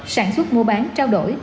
sản xuất mua bán trao đổi